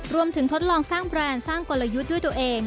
ทดลองสร้างแบรนด์สร้างกลยุทธ์ด้วยตัวเอง